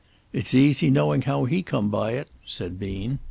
"It's easy knowing how he come by it," said Bean.